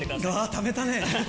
ためたね。